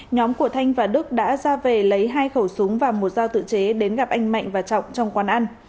nhóm của thanh và đức đã ra về lấy hai khẩu súng và một dao tự chế đến gặp anh mạnh và trọng trong quán ăn